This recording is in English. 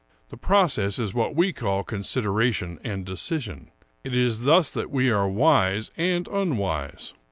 The process is what we call consideration and decision. It is thus that we are wise and unwise.